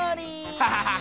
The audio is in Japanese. ハハハハッ。